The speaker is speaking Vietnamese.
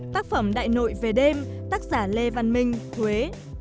tác phẩm đại nội về đêm tác giả lê văn minh huế